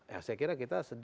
ya saya kira nggak boleh